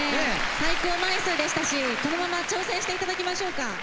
最高枚数でしたしこのまま挑戦して頂きましょうか。